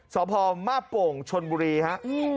สพมาโป่งชนบุรีครับ